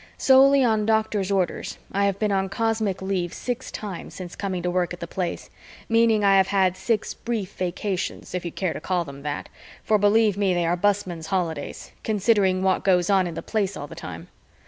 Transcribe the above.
Solely on doctor's orders, I have been on cosmic leave six times since coming to work at the Place, meaning I have had six brief vacations, if you care to call them that, for believe me they are busman's holidays, considering what goes on in the Place all the time.